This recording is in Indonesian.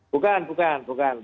bukan bukan bukan